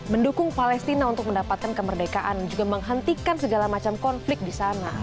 mendukung palestina untuk mendapatkan kemerdekaan dan juga menghentikan segala macam konflik di sana